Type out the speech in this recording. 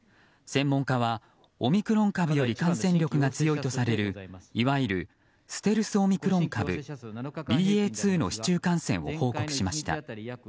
専門家はオミクロン株より感染力が強いとされるいわゆるステルスオミクロン株ＢＡ．２の市中感染を報告しました。